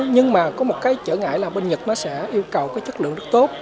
nhưng mà có một cái trở ngại là bệnh nhật nó sẽ yêu cầu cái chất lượng rất tốt